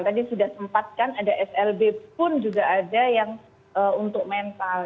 tadi sudah sempat kan ada slb pun juga ada yang untuk mental